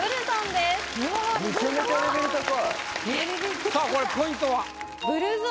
さぁこれポイントは？